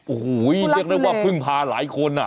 อูหูยเรียกได้ว่าเพิ่งพาหลายคน